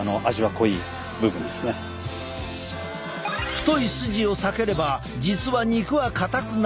太いスジを避ければ実は肉はかたくない。